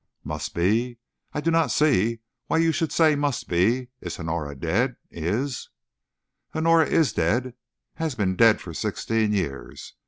"Must be? I do not see why you should say must be! Is Honora dead? Is " "Honora is dead has been dead for sixteen years.